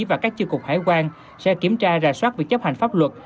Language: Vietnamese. và các chi cục hải quan sẽ kiểm tra rà soát việc chấp hành pháp luật